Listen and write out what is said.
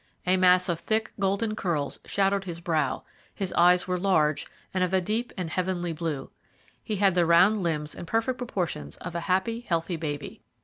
A mass of thick, golden curls shadowed his brow; his eyes were large, and of a deep and heavenly blue. He had the round limbs and perfect proportions of a happy, healthy baby.